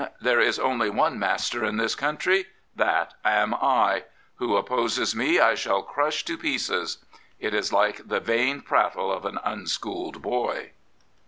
There is only one master in this country. That am I. Who opposes me I shall crush to pieces." , It is like the vain prattle of an unschooled boy.